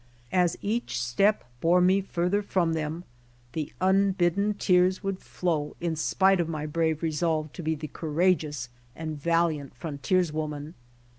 As each step bore me farther from them, the unbidden tears would flow in spite of my brave resolve to be the courageous and valiant frontierswoman.